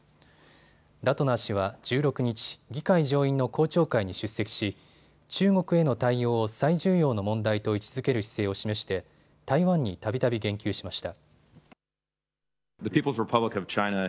ラトナー氏は１６日、議会上院の公聴会に出席し中国への対応を最重要の問題と位置づける姿勢を示して台湾にたびたび言及しました。